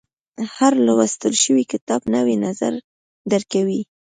• هر لوستل شوی کتاب، نوی نظر درکوي.